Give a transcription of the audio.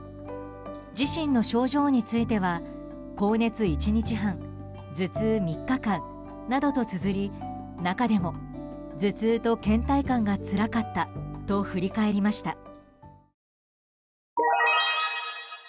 自身の症状については高熱１日半頭痛３日間などとつづり中でも頭痛と倦怠感がつらかったと振り返りました。